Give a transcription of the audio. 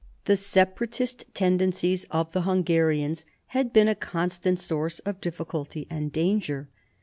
The separatist tendencies of the Hungarians had been a constant source of difficulty and danger.